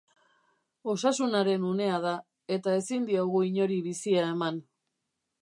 Osasunaren unea da, eta ezin diogu inori bizia eman.